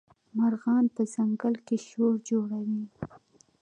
مارغان په ځنګل کي شور جوړوي.